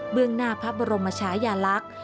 เบื้องหน้าพระบรมชายาลักษณ์